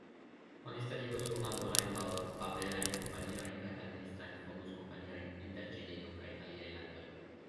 Oni starigos kunlaborajn valorpaperajn kompaniojn kaj administrajn fondus-kompaniojn inter Ĉinio kaj aliaj landoj.